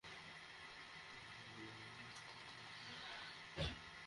সরকার নারীর ক্ষমতায়ন, নারীর অর্থনৈতিক মুক্তিসহ বিভিন্ন বিষয় গুরুত্বের সঙ্গে ভাবছে।